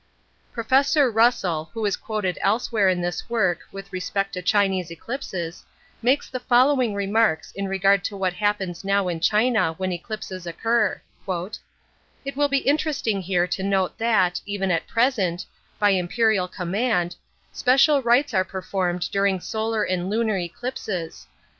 Professor Russell, who is quoted elsewhere in this work with respect to Chinese eclipses, makes the following remarks in regard to what happens now in China when eclipses occur:—"It will be interesting here to note that, even at present, by Imperial command, special rites are performed during solar and lunar eclipses.